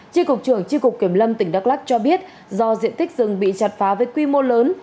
tri cục trưởng tri cục kiểm lâm tỉnh đắk lắc cho biết do diện tích rừng bị chặt phá với quy mô lớn